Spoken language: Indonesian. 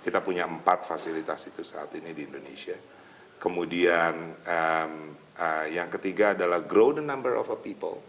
kita punya empat fasilitas itu saat ini di indonesia kemudian yang ketiga adalah grow the number of people